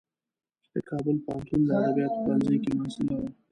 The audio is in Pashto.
چې د کابل پوهنتون د ادبیاتو پوهنځی کې محصله وه.